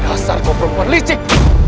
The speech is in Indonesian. dasar kau perempuan licik